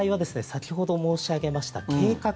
先ほど申し上げました計画